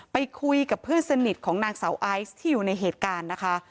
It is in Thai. ไปคุยกับเพื่อนสนิทของนางสาวไอซ์ที่อยู่ในเหตุการณ์นะคะ